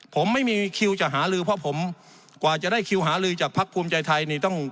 ผมไม่มีคิวจะหาลือเพราะผมกว่าจะได้คิวหาลือจากพักภูมิใจไทยนี่ต้อง